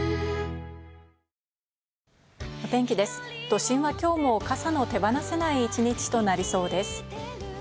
都心は今日も傘の手放せない一日となりそうです。